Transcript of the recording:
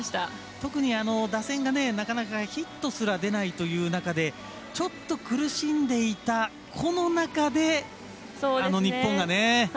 特に打線が、なかなかヒットすら出ないという中で苦しんでいたこの中で、日本がね。